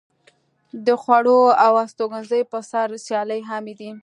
د خوړو او هستوګنځي پر سر سیالۍ عامې دي.